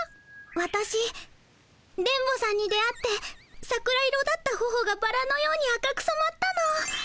わたし電ボさんに出会って桜色だったほほがバラのように赤くそまったの。